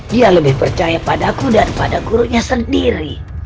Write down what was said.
dia lebih percaya pada aku dan pada gurunya sendiri